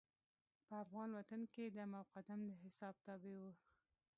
په افغان وطن کې دم او قدم د حساب تابع وو.